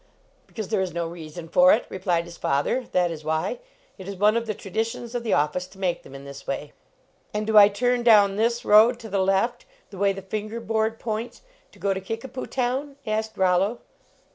"Because there is no reason for it," re plied his father, "that is why It is one of the traditions of the office to make them in this way." "And do I turn down this road to the left, the way the finger board points, to go to Kickapoo Town? " asked Rollo.